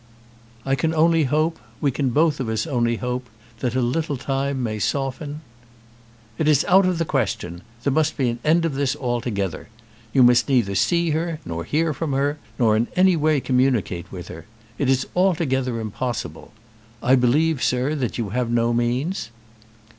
"I can only hope, we can both of us only hope that a little time may soften " "It is out of the question. There must be an end of this altogether. You must neither see her, nor hear from her, nor in any way communicate with her. It is altogether impossible. I believe, sir, that you have no means?"